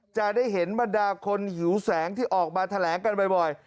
จะได้เห็นบรรดาคนหิวแสงที่ออกมาแถลงกันบ่อย